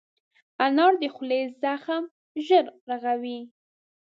انار د خولې زخم ژر رغوي.